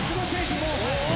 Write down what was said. もう。